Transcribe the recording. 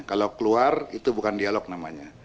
kalau keluar itu bukan dialog namanya